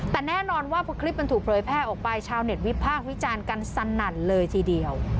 แต่แน่นอนว่าพอคลิปมันถูกเผยแพร่ออกไปชาวเน็ตวิพากษ์วิจารณ์กันสนั่นเลยทีเดียว